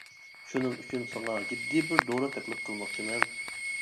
-شۇنىڭ ئۈچۈن ساڭا جىددىي بىر دورا تەكلىپ قىلماقچىمەن.